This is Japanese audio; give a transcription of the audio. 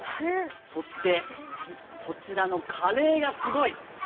そして、こちらのカレーがすごい！